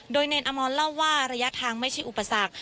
โดยเนรอมรเล่าว่าระยะทางไม่ใช่อุปสรรค